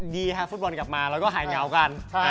ดีค่ะฟุตบอลกลับมาแล้วก็หายเหงากัน